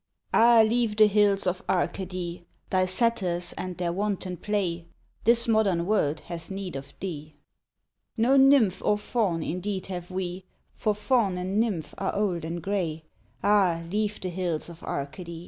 AH, leave the hills of Arcady, Thy satyrs and their wanton play, This modern world hath need of thee. No nymph or Faun indeed have we, For Faun and nymph are old and grey, Ah, leave the hills of Arcady!